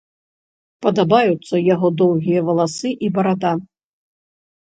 Падабаюцца яго доўгія валасы і барада.